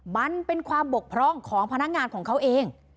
มันเป็นความบกพร่องของพนักงานของเขาเอง